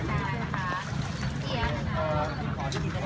สวัสดีครับสวัสดีครับ